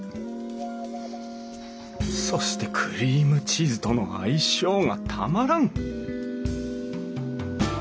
そしてクリームチーズとの相性がたまらん！